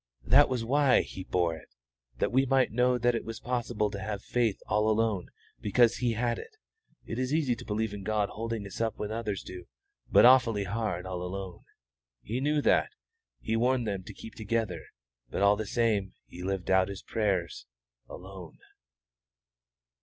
"That was why He bore it, that we might know that it was possible to have faith all alone because He had it. It is easy to believe in God holding us up when others do, but awfully hard all alone. He knew that, He warned them to keep together; but all the same He lived out His prayers alone."